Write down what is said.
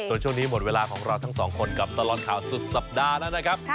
ส่วนช่วงนี้หมดเวลาของเราทั้งสองคนกับตลอดข่าวสุดสัปดาห์แล้วนะครับ